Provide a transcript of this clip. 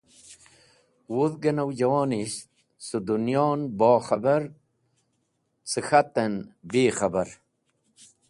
Wudhgẽ nawjẽwonisht cẽ dẽnyon bo k̃hẽbar cẽ k̃hatẽn bi khẽbar.